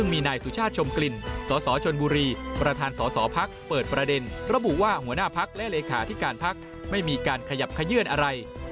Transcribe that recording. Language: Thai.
มีการขยับเขยื้อนอะไร